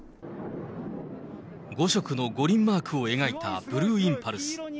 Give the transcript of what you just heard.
５色の五輪マークを描いたブルーインパルス。